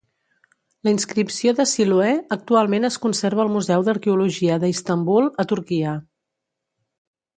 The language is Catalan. La inscripció de Siloé actualment es conserva al Museu d'Arqueologia de Istanbul, a Turquia.